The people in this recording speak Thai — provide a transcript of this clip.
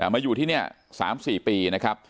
มาอยู่ที่นี่๓๔ปีนะครับ